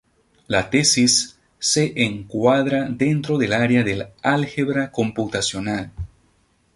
La tesis se encuadra dentro del área del álgebra computacional.